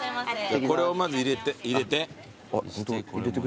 これをまず入れて。